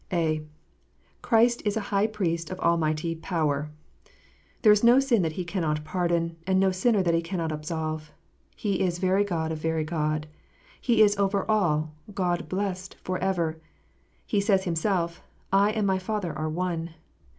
(a) Christ is a High Priest of Almighty power. There is no sin that He cannot pardon, and no sinner that He cannot absolve. He is very God of very God. He is " over all, God blessed for ever." He says Himself, "I and my Father are one."